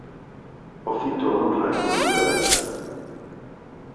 O fito honra a cultura galega.